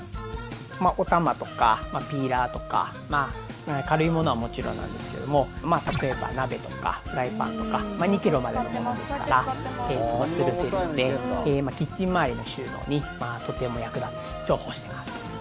おたまとかピーラーとか軽いものはもちろんなんですけども例えば、鍋とかフライパンとか２ｋｇまでのものでしたらつるせるのでキッチン周りの収納にとても役立って重宝してます。